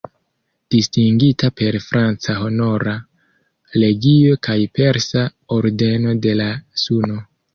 Distingita per franca Honora Legio kaj persa Ordeno de la Suno.